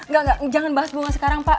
gak gak jangan bahas bunga sekarang pak